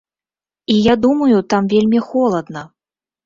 І я думаю, там вельмі холадна.